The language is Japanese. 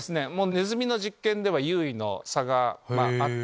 ネズミの実験では優位の差があって。